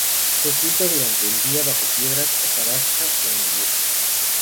Se oculta durante el día bajo piedras, hojarasca o en grietas.